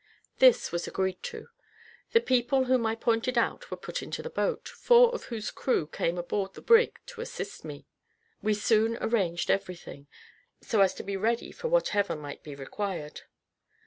This was agreed to. The people whom I pointed out, were put into the boat, four of whose crew came aboard the brig to assist me. We soon arranged every thing, so as to be ready for whatever might be required.